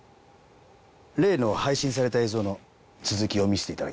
例の配信された映像の続きを見せて頂けますか？